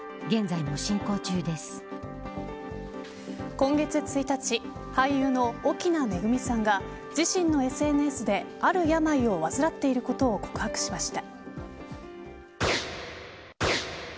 今月１日俳優の奥菜恵さんが自身のＳＮＳである病を患っていることを告白しました。